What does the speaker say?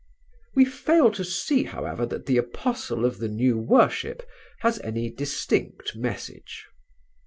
We fail to see, however, that the apostle of the new worship has any distinct message."